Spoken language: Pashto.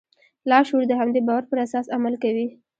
لاشعور د همدې باور پر اساس عمل کوي.